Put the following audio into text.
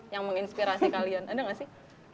yang menginspirasi kalian ada gak sih